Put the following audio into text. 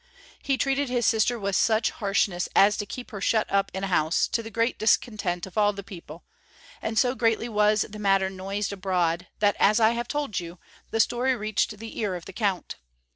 He treated his sister with such harshness as to keep her shut up in a house, to the great discontent of all the people; and so greatly was the matter noised abroad that, as I have told you, the story reached the ear of the Count.